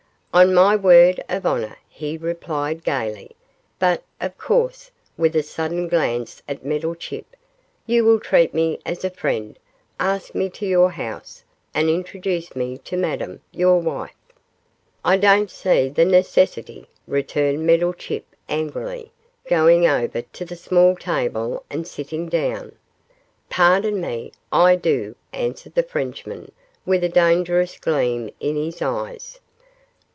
'On my word of honour,' he replied, gaily; 'but, of course,' with a sudden glance at Meddlechip, 'you will treat me as a friend ask me to your house, and introduce me to Madame, your wife.' 'I don't see the necessity,' returned Meddlechip, angrily, going over to the small table and sitting down. 'Pardon me, I do' answered the Frenchman, with a dangerous gleam in his eyes.